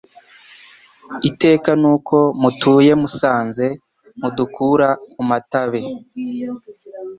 Iteka n'uko mutuye Musanzwe mudukura mu matabe,